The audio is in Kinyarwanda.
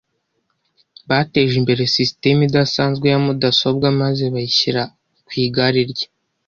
Bateje imbere sisitemu idasanzwe ya mudasobwa maze bayishyira ku igare rye.